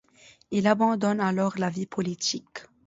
Il abandonne alors la vie politique.